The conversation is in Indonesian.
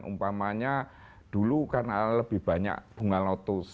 umpamanya dulu karena lebih banyak bunga lotus